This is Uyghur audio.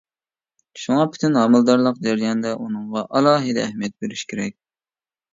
شۇڭا پۈتۈن ھامىلىدارلىق جەريانىدا بۇنىڭغا ئالاھىدە ئەھمىيەت بېرىشى كېرەك.